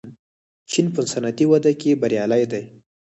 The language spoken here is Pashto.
چین په صنعتي وده کې بریالی دی.